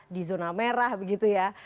di zona merah begitu ya